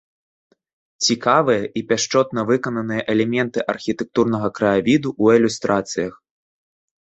Цікавыя і пяшчотна выкананыя элементы архітэктурнага краявіду ў ілюстрацыях.